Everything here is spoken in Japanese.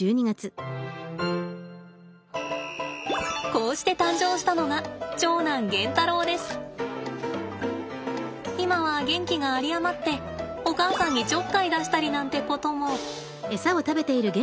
こうして誕生したのが今は元気が有り余ってお母さんにちょっかい出したりなんてことも。